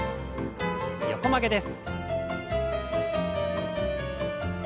横曲げです。